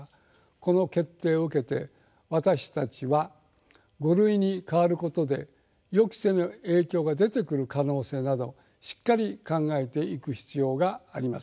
この決定を受けて私たちは「５類」に変わることで予期せぬ影響が出てくる可能性などしっかり考えていく必要があります。